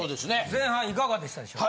前半いかがでしたでしょう？